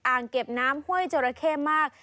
เก็บน้ำห้วยจราเข้มาก